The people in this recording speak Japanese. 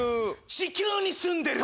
地球に住んでると。